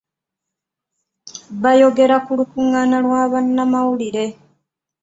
Bayogera ku lukungaana lwa bannamawulire .